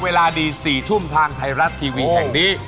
เวลาดี๔ทุ่มทางไทยรัฐทีวีแห่งนี้